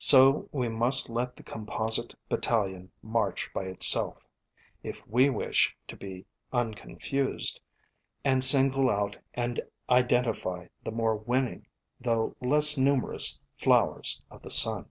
So we must let the composite battalion march by itself, if we wish to be unconfused, and single out and identify the more winning though less numerous flowers of the sun.